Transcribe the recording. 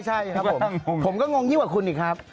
ใช่ครับผมผมก็งงยิ่งกว่าคุณอีกครับ